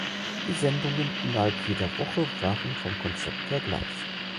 Die Sendungen innerhalb jeder Woche waren vom Konzept her gleich.